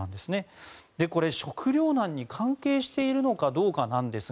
これ、食糧難に関係しているのかどうかなんですが